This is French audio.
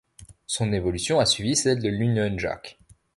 Son évolution a suivi celle de l'Union Jack.